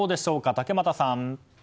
竹俣さん。